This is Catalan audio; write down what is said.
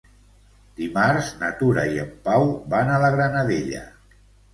Dimarts na Tura i en Pau van a la Granadella.